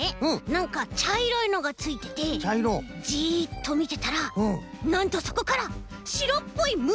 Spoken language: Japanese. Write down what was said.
なんかちゃいろいのがついててジッとみてたらなんとそこからしろっぽいむしがでてきたんだよね！